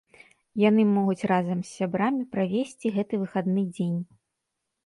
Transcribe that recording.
Яны могуць разам з сябрамі правесці гэты выхадны дзень.